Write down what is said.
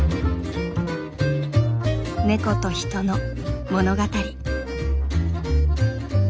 ネコと人の物語。